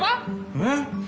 うん？